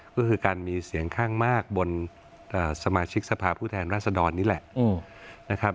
ก็คือการมีเสียงข้างมากบนสมาชิกสภาพผู้แทนรัศดรนี่แหละนะครับ